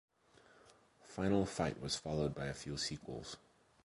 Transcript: "Final Fight" was followed by a few sequels.